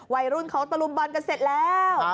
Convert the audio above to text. วัยรุ่นเขาตะลุมบอลกันเสร็จแล้ว